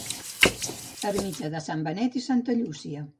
Ermita de Sant Benet i Santa Llúcia